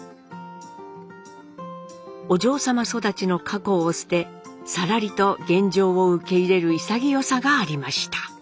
お嬢様育ちの過去を捨てさらりと現状を受け入れる潔さがありました。